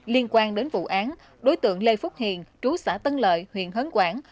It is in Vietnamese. liên quan đến vụ án đối tượng lê phúc hiền trú xã tân lợi huyện hấn quảng